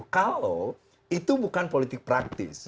kalau itu bukan politik praktis